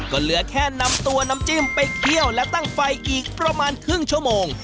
ก็เหลือแค่นำตัวน้ำจิ้มไปเคี่ยวและตั้งไฟอีกประมาณครึ่งชั่วโมง